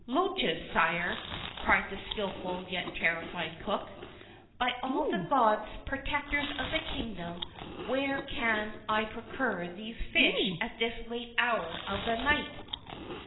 "Loaches, Sire!" cried the skilful, yet terrified cook; "by all the gods, protectors of the kingdom, where can I procure these fish at this late hour of the night?"